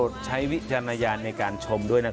ด้วยนะครับ